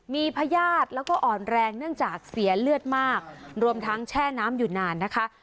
มีพญาติแล้วก็อ่อนแรงเนื่องจากเสียเลือดมากรวมทั้งแช่น้ำอยู่นานนะคะ